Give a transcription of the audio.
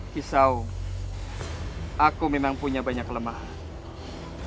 kisau aku memang punya banyak kelemahan